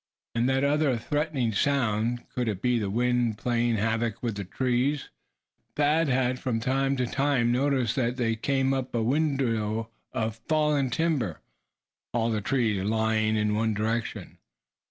And that other threatening sound, could it be the wind playing havoc with the tall trees? Thad had from time to time noticed that they came upon a windrow of fallen timber, all the trees lying in one direction.